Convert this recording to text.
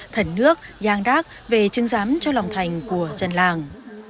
thần nước giang đác về chứng giám cho lòng thành của dân làng